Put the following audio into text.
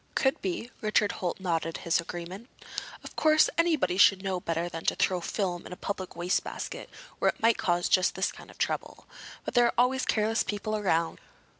"Could be." Richard Holt nodded his agreement. "Of course anybody should know better than to throw film into a public wastebasket where it might cause just this kind of trouble. But there are always careless people around."